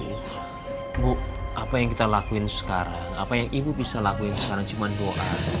ibu apa yang kita lakuin sekarang apa yang ibu bisa lakuin sekarang cuma doa